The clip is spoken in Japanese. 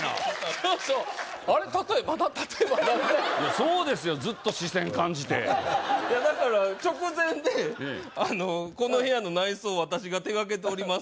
そうですよずっと視線感じていやだから直前で「この部屋の内装私が手がけております」